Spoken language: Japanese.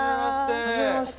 はじめまして。